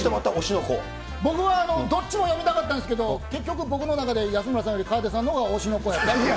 僕はどっちも読みたかったんですけど、結局僕の中で、安村さんより河出さんのほうが推しの子やったっていう。